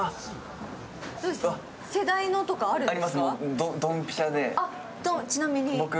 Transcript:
世代のとかあるんですか？